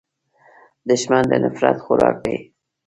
دښمن د نفرت خوراک دی